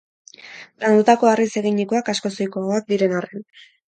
Landutako harriz eginikoak, askoz ohikoagoak diren arren.